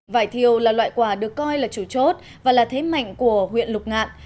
vải thiều là loại quả được coi là chủ chốt và là thế mạnh của huyện lục ngạn